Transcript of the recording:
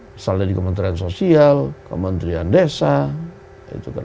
misalnya di kementerian sosial kementerian desa